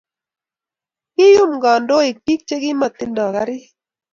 kiyum kandoik pik che kimatindo karik